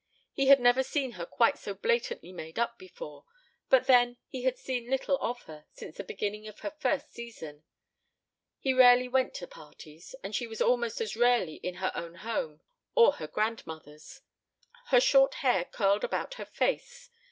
He had never seen her quite so blatantly made up before, but then he had seen little of her since the beginning of her first season. He rarely went to parties, and she was almost as rarely in her own home or her grandmother's. Her short hair curled about her face.